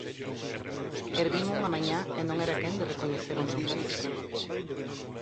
Erguinme unha mañá e non era quen de recoñecer o meu país.